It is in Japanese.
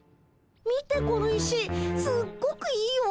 見てこの石すっごくいいよ。